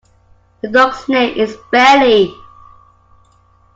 The dog's name is Bailey.